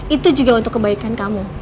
itu juga untuk kebaikan kamu